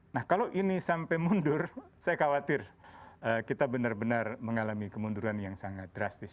nah kalau ini sampai mundur saya khawatir kita benar benar mengalami kemunduran yang sangat drastis